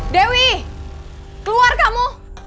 dewi keluar kamu